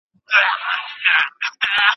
قسمت پردی کړې ښکلې کابله